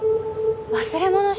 忘れ物した。